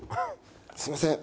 すみません。